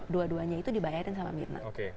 dua duanya itu dibayarin sama mirna